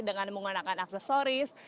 dengan menggunakan aksesoris